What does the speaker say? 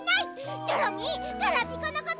チョロミーガラピコのこと